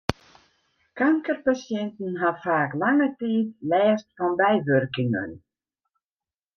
Kankerpasjinten ha faak lange tiid lêst fan bywurkingen.